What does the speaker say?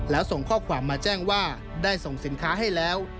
แล้วส่งข้อความมาแจ้งว่าได้ส่งสินค้าให้แล้ว